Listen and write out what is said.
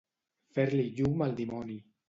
Fer-li llum al dimoni.